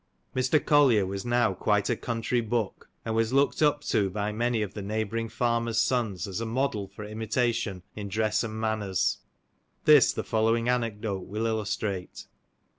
Mr. Collier was now quite a country buck, and was looked up to by many of the neighbouring farmer's sons as a model for imitation in dress and manners. This the following anecdote will illustrate.